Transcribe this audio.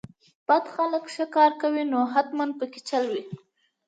بد خلک چې ښه کار کوي نو حتماً پکې چل وي.